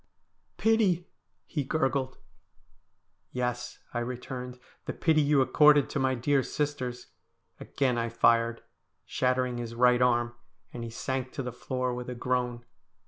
' Pity !' he gurgled. ' Yes,' I returned, ' the pity you accorded to my dear sisters.' Again I fired, shattering his right arm, and he sank to the floor with a groan.